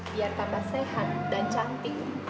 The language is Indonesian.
biar tambah sehat dan cantik